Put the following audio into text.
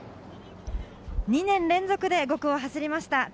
２年連続で５区を走りました